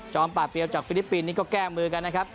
ป่าเปียวจากฟิลิปปินส์นี่ก็แก้มือกันนะครับ